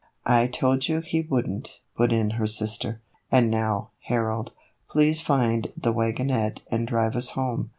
" I told you he would n't," put in her sister. " And now, Harold, please find the wagonette and drive us home.